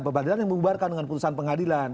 pengadilan yang membubarkan dengan putusan pengadilan